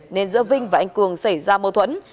nên giữa vinh và anh cường xảy ra mâu thuẫn